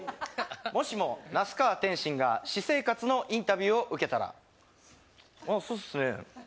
もしも那須川天心が私生活のインタビューを受けたらあっそうっすね